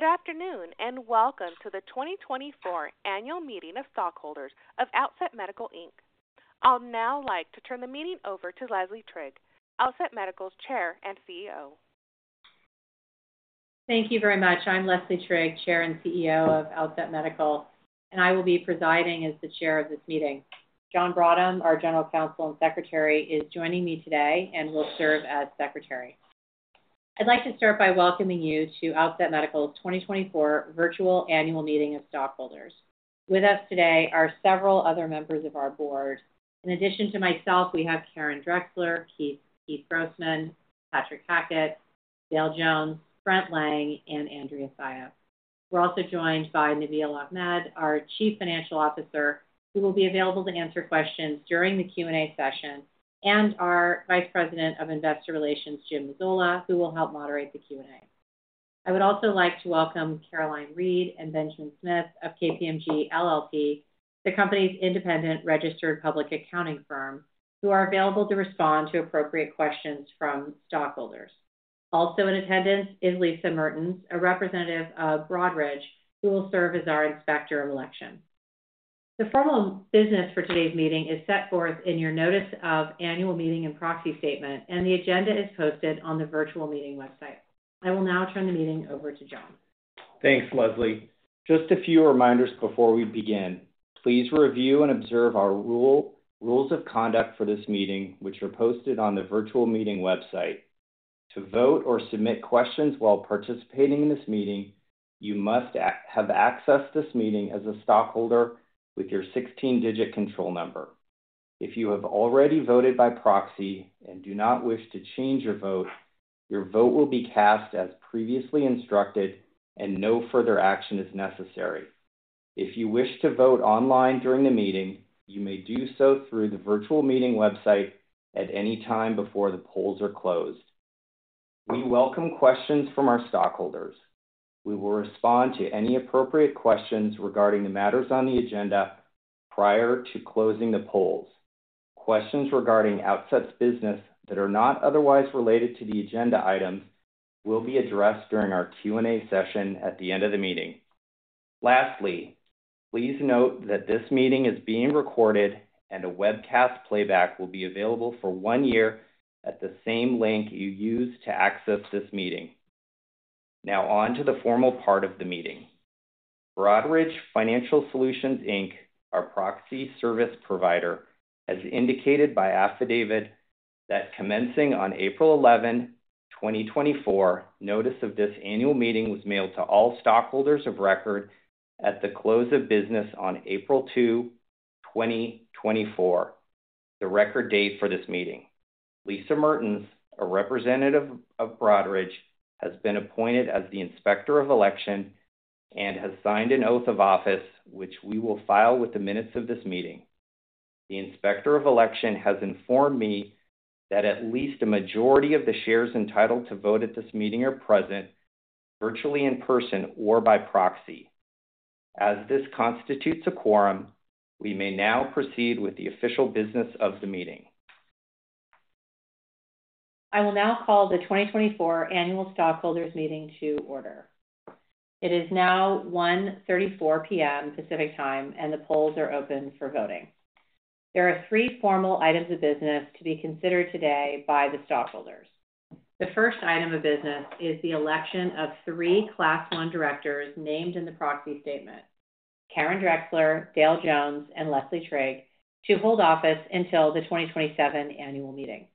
Good afternoon, and welcome to the 2024 Annual Meeting of Stockholders of Outset Medical, Inc. I'll now like to turn the meeting over to Leslie Trigg, Outset Medical's Chair and CEO. Thank you very much. I'm Leslie Trigg, Chair and CEO of Outset Medical, and I will be presiding as the chair of this meeting. John Brottem, our General Counsel and Secretary, is joining me today and will serve as secretary. I'd like to start by welcoming you to Outset Medical's 2024 virtual Annual Meeting of Stockholders. With us today are several other members of our board. In addition to myself, we have Karen Drexler, Keith Grossman, Patrick Hackett, Dale Jones, Brent Lang, and Andrea Saia. We're also joined by Nabeel Ahmed, our Chief Financial Officer, who will be available to answer questions during the Q&A session, and our Vice President of Investor Relations, Jim Mazzola, who will help moderate the Q&A. I would also like to welcome Caroline Reed and Benjamin Smith of KPMG LLP, the company's independent registered public accounting firm, who are available to respond to appropriate questions from stockholders. Also in attendance is Lisa Mertens, a representative of Broadridge, who will serve as our Inspector of Election. The formal business for today's meeting is set forth in your Notice of Annual Meeting and Proxy Statement, and the agenda is posted on the virtual meeting website. I will now turn the meeting over to John. Thanks, Leslie. Just a few reminders before we begin. Please review and observe our rules of conduct for this meeting, which are posted on the virtual meeting website. To vote or submit questions while participating in this meeting, you must have accessed this meeting as a stockholder with your 16-digit control number. If you have already voted by proxy and do not wish to change your vote, your vote will be cast as previously instructed and no further action is necessary. If you wish to vote online during the meeting, you may do so through the virtual meeting website at any time before the polls are closed. We welcome questions from our stockholders. We will respond to any appropriate questions regarding the matters on the agenda prior to closing the polls. Questions regarding Outset's business that are not otherwise related to the agenda items will be addressed during our Q&A session at the end of the meeting. Lastly, please note that this meeting is being recorded and a webcast playback will be available for one year at the same link you used to access this meeting. Now on to the formal part of the meeting. Broadridge Financial Solutions, Inc., our proxy service provider, has indicated by affidavit that commencing on April 11, 2024, notice of this annual meeting was mailed to all stockholders of record at the close of business on April 2, 2024, the record date for this meeting. Lisa Mertens, a representative of Broadridge, has been appointed as the Inspector of Election and has signed an oath of office, which we will file with the minutes of this meeting. The Inspector of Election has informed me that at least a majority of the shares entitled to vote at this meeting are present, virtually, in person, or by proxy. As this constitutes a quorum, we may now proceed with the official business of the meeting. I will now call the 2024 Annual Stockholders Meeting to order. It is now 1:34 P.M. Pacific Time, and the polls are open for voting. There are three formal items of business to be considered today by the stockholders. The first item of business is the election of three Class I directors named in the proxy statement, Karen Drexler, Dale Jones, and Leslie Trigg, to hold office until the 2027 annual meeting.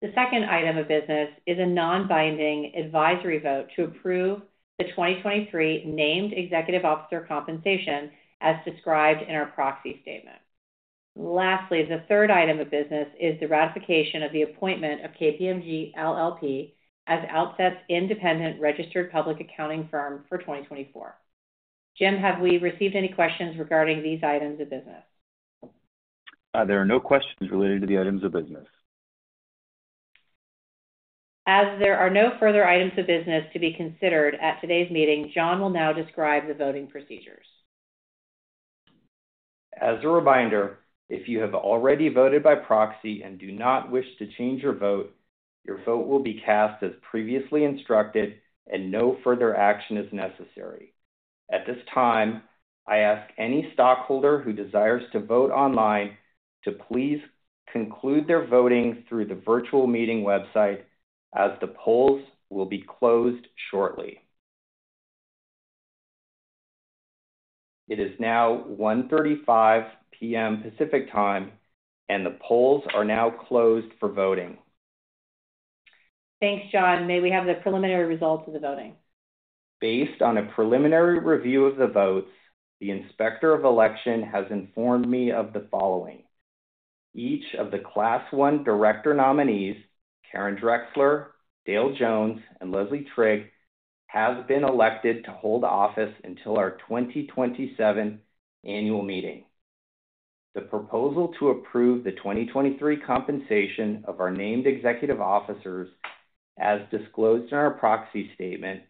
The second item of business is a non-binding advisory vote to approve the 2023 named executive officer compensation, as described in our proxy statement. Lastly, the third item of business is the ratification of the appointment of KPMG LLP as Outset's independent registered public accounting firm for 2024. Jim, have we received any questions regarding these items of business? There are no questions related to the items of business. As there are no further items of business to be considered at today's meeting, John will now describe the voting procedures. As a reminder, if you have already voted by proxy and do not wish to change your vote, your vote will be cast as previously instructed and no further action is necessary. At this time, I ask any stockholder who desires to vote online to please conclude their voting through the virtual meeting website, as the polls will be closed shortly. It is now 1:35 P.M. Pacific Time, and the polls are now closed for voting. Thanks, John. May we have the preliminary results of the voting? Based on a preliminary review of the votes, the Inspector of Election has informed me of the following: Each of the Class One director nominees, Karen Drexler, Dale Jones, and Leslie Trigg, have been elected to hold office until our 2027 annual meeting. The proposal to approve the 2023 compensation of our named executive officers, as disclosed in our proxy statement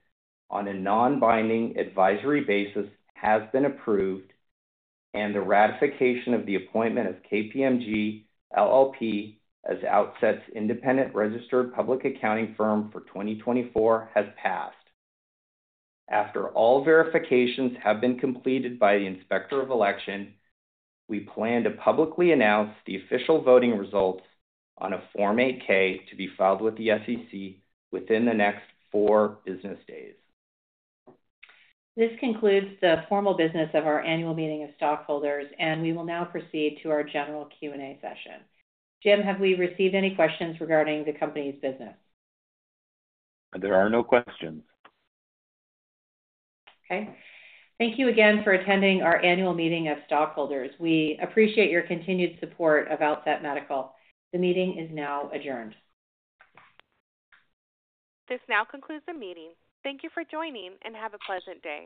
on a non-binding advisory basis, has been approved, and the ratification of the appointment of KPMG LLP as Outset's independent registered public accounting firm for 2024 has passed. After all verifications have been completed by the Inspector of Election, we plan to publicly announce the official voting results on a Form 8-K to be filed with the SEC within the next 4 business days. This concludes the formal business of our Annual Meeting of Stockholders, and we will now proceed to our general Q&A session. Jim, have we received any questions regarding the company's business? There are no questions. Okay. Thank you again for attending our Annual Meeting of Stockholders. We appreciate your continued support of Outset Medical. The meeting is now adjourned. This now concludes the meeting. Thank you for joining, and have a pleasant day.